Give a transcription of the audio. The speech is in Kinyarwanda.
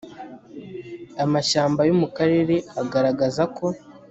amashyamba yo mu karere agaragaza ko